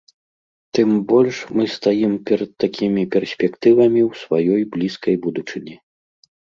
Тым больш, мы стаім перад такімі перспектывамі ў сваёй блізкай будучыні.